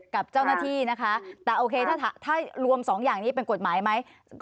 กับเจ้าหน้าที่นะคะแต่โอเคถ้ารวม๒อย่างนี้เป็นกฎหมายไหม